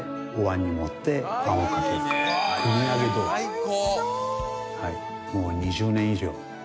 最高。